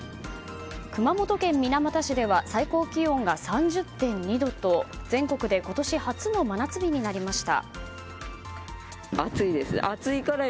熊本県水俣市では最高気温が３０．２度と全国で今年初の真夏日になりました。